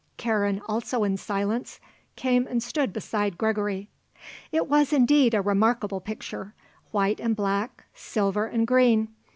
Karen, also in silence, came and stood beside Gregory. It was indeed a remarkable picture; white and black; silver and green.